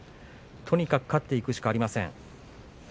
とにかく勝っていくしかありません。